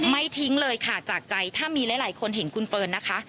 ทิ้งเลยค่ะจากใจถ้ามีหลายคนเห็นคุณเฟิร์นนะคะ